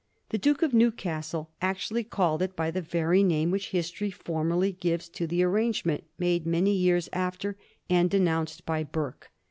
The Duke of Newcastle actually called it by tbe very name which history formally gives to the arrangement made many years after and denounced by Burke.